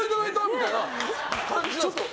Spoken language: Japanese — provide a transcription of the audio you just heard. みたいな感じなんですか？